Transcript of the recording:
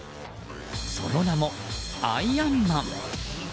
その名もアイアンマン。